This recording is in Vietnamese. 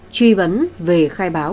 truy vấn về khai báo